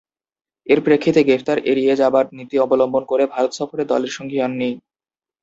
এর প্রেক্ষিতে গ্রেফতার এড়িয়ে যাবার নীতি অবলম্বন করে ভারত সফরে দলের সঙ্গী হননি।